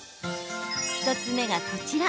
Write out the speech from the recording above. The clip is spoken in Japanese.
１つ目がこちら。